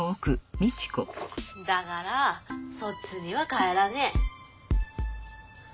だからそっちには帰らねえ。